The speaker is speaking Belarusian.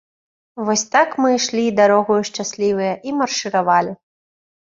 Вось так мы ішлі дарогаю шчаслівыя і маршыравалі.